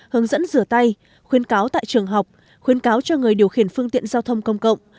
hướng dẫn rửa tay khuyến cáo tại trường học khuyến cáo cho người điều khiển phương tiện giao thông công cộng